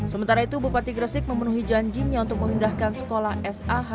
sementara itu bupati gresik memenuhi janjinya untuk mengindahkan sekolah sah